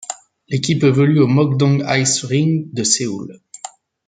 L'équipe évolue au Mok-Dong Ice Rink de Séoul.